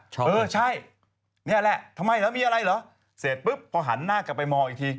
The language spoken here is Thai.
เออใช่นี่แหละทำไมเหรอมีอะไรเหรอเสร็จปุ๊บพอหันหน้ากลับไปมองอีกที